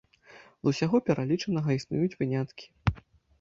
З усяго пералічанага існуюць выняткі.